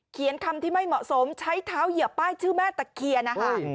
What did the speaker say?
เขียนคำที่ไม่เหมาะสมใช้เท้าเหยียบป้ายชื่อแม่ตะเคียนนะคะ